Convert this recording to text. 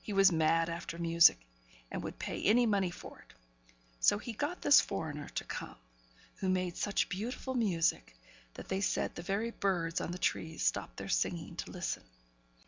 He was mad after music, and would pay any money for it. So he got this foreigner to come; who made such beautiful music, that they said the very birds on the trees stopped their singing to listen.